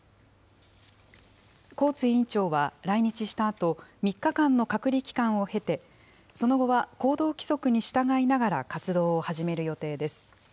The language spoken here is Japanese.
コーツ委員長は来日したあと、３日間の隔離期間を経て、その後は行動規則に従いながら活動を始める予定です。